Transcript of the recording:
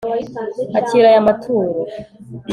akira aya maturo